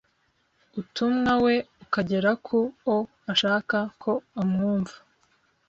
uutumwa we ukagera ku o ashaka ko amwumva